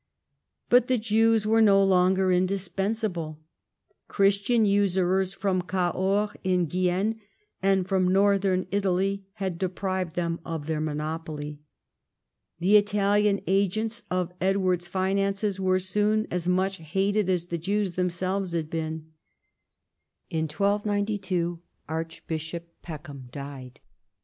But the Jews were no longer indispensable. Christian usurers from Cahors in Guienne and from northern Italy had deprived them of their monopoly. The Italian agents of Edward's finances were soon as much hated as the Jews themselves had been. In 1292 Archbishop Peckham died.